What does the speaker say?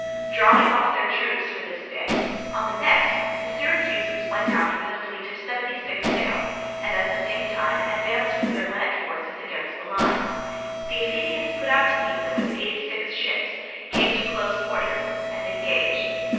Drawing off their troops for this day, on the next the Syracusans went out with a fleet of seventy six sail, and at the same time advanced with their land forces against the lines. The Athenians put out to meet them with eighty six ships, came to close quarters, and engaged.